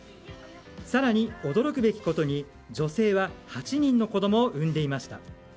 更に驚くべきことに女性は８人の子供を産んでいました。